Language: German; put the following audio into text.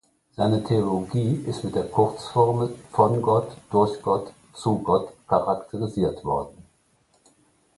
Seine Theologie ist mit der Kurzformel „Von Gott, durch Gott, zu Gott“ charakterisiert worden.